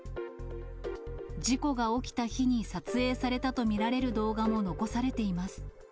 事故が起きた日に撮影されたと見られる動画も残されています。